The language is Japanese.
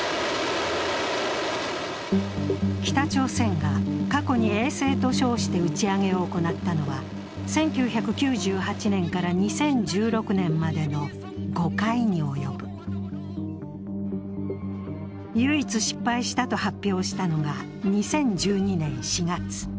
北朝鮮が過去に衛星と称して打ち上げを行ったのは１９９８年から２０１６年までの５回に及ぶ唯一失敗したと発表したのが２０１２年４月。